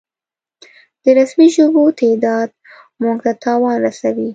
د رسمي ژبو تعداد مونږ ته تاوان رسوي